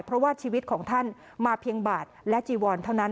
เพราะว่าชีวิตของท่านมาเพียงบาทและจีวอนเท่านั้น